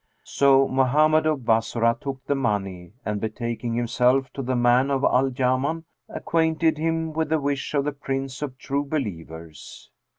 So Mohammed of Bassorah took the money and, betaking himself to the Man of Al Yaman, acquainted him with the wish of the Prince of True Believers.